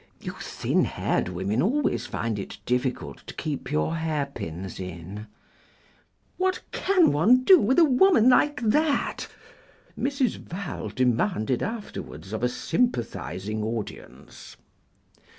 You thin haired women always find it difficult to keep your hairpins in." "What can one do with a woman like that?" Mrs. Val demanded afterwards of a sympathising audience.